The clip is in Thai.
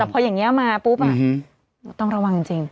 พออย่างนี้มาปุ๊บต้องระวังจริง